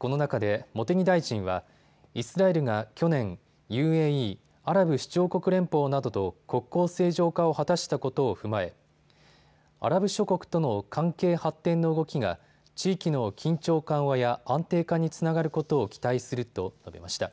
この中で茂木大臣は、イスラエルが去年、ＵＡＥ・アラブ首長国連邦などと国交正常化を果たしたことを踏まえアラブ諸国との関係発展の動きが地域の緊張緩和や安定化につながることを期待すると述べました。